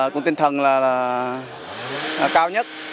công tinh thần là cao nhất